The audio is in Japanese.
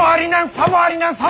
さもありなん！